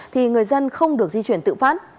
thì người dân không được di chuyển tự phát